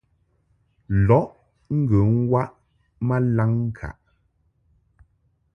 Lɔʼ ŋgə waʼ ma laŋŋkaʼ.